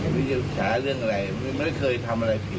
มีข้อมูลข้าเรื่องอะไรไม่เคยทำอะไรผิด